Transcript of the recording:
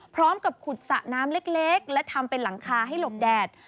พร้อมกับขุดสระน้ำเล็กและทำเป็นหลังคาให้หลบแดด